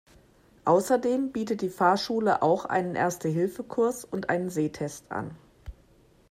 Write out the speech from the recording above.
Außerdem bietet die Fahrschule auch einen Erste-Hilfe-Kurs und einen Sehtest an.